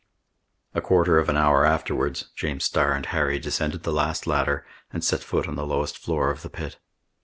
A quarter of an hour afterwards James Starr and Harry descended the last ladder, and set foot on the lowest floor of the pit.